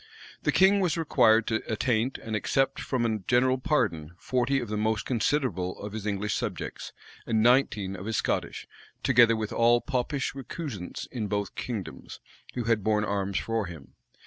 The king was required to attaint and except from a general pardon forty of the most considerable of his English subjects, and nineteen of his Scottish, together with all Popish recusants in both kingdoms who had borne arms for him.